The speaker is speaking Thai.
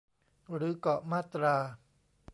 หรือเกาะมาตรา